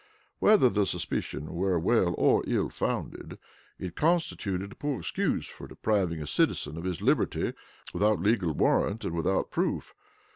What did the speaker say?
Whether the suspicion were well or ill founded, it constituted a poor excuse for depriving a citizen of his liberty without legal warrant and without proof.